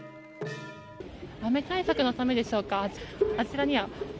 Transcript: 雨対策のためでしょうか